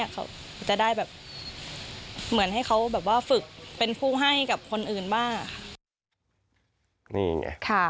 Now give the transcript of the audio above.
เขาจะได้ฝึกเป็นผู้ให้กับคนอื่นมาก